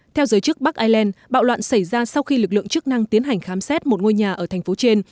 theo giới chức bắc ireland bạo loạn xảy ra sau khi lực lượng chức năng tiến hành khám xét một ngôi nhà ở thành phố trên